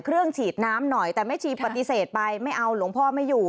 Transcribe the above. เครื่องฉีดน้ำหน่อยแต่แม่ชีปฏิเสธไปไม่เอาหลวงพ่อไม่อยู่